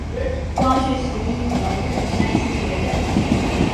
光绪十一年任山西学政。